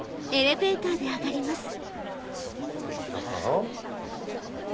こちらかな？